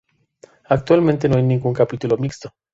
Actualmente no hay ningún capítulo mixto.